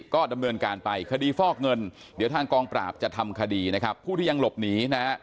ก็ดำเนินการไปคดีฟอกเงินเดี๋ยวทางกองปราบจะทำคดีนะครับผู้ที่ยังหลบหนีนะฮะ